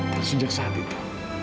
dan sejak saat itu